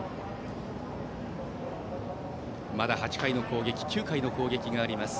まだ８回の攻撃９回の攻撃があります。